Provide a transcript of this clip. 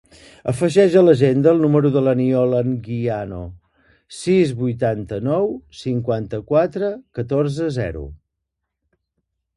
Afegeix a l'agenda el número de l'Aniol Anguiano: sis, vuitanta-nou, cinquanta-quatre, catorze, zero.